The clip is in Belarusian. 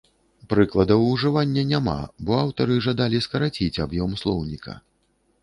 Прыкладаў ўжывання няма, бо аўтары жадалі скараціць аб'ём слоўніка.